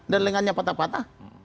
dan lengannya patah patah